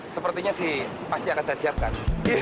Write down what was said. sepertinya sih pasti akan saya siapkan